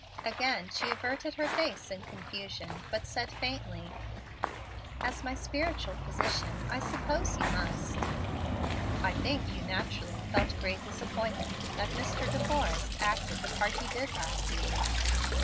Again she averted her face in confusion, but said faintly: "As my spiritual physician I suppose you must." "I think you naturally felt greatly disappointed that Mr. De Forrest acted the part he did last evening."